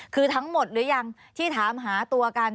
คือทั้งหมดหรือยังที่ถามหาตัวกัน